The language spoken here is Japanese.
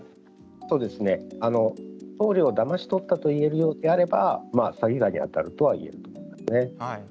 送料をだまし取ったと言えるのであれば詐欺罪にあたるとは言えると思います。